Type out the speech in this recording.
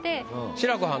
志らくはん